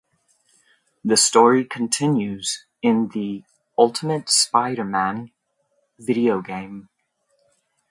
The story continues in the "Ultimate Spider-Man" video game.